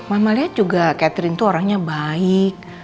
mama liat juga catherine tuh orangnya baik